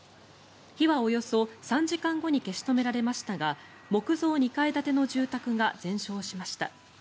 火はおよそ３時間後に消し止められましたが木造２階建ての住宅が全焼しました。